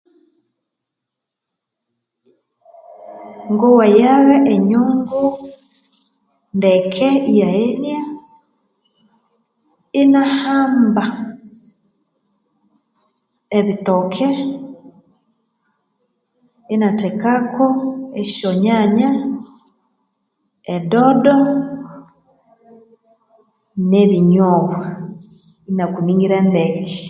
Ngoghayaa enyungu ndeke iyahenia inahamba ebitooke inthekako esyonyanya edodo nebinyobwa inakuningira ndeke